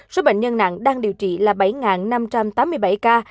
số bệnh nhân nặng đang điều trị là bảy năm trăm linh ca